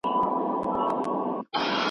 پوره يو پاو زهر مې ورکړل